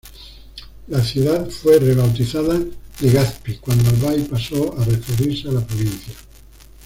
La ciudad fue rebautizada Legazpi, cuando Albay pasó a referirse a la provincia.